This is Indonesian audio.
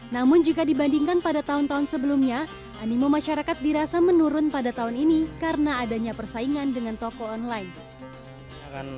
namun jika dibandingkan pada tahun tahun sebelumnya animo masyarakat dirasa menurun pada tahun ini karena adanya persaingan dengan toko online